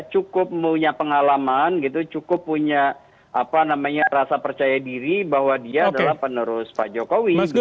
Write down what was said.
cukup punya pengalaman gitu cukup punya rasa percaya diri bahwa dia adalah penerus pak jokowi